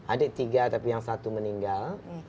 adik tiga tapi yang satu meninggal